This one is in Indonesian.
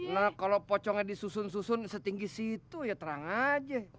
nah kalau pocongnya disusun susun setinggi situ ya terang aja